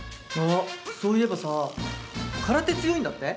そういえば空手強いんだって？